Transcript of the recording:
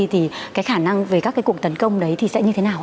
thì cái khả năng về các cái cuộc tấn công đấy thì sẽ như thế nào